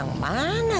rumahnya darah ya